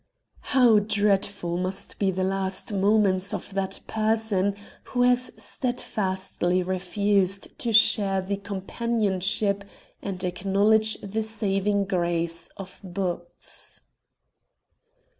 How dreadful must be the last moments of that person who has steadfastly refused to share the companionship and acknowledge the saving grace of books!